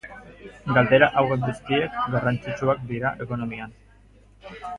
Galdera hauek guztiek garrantzitsuak dira ekonomian.